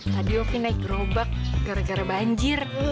tadi opi naik gerobak gara gara banjir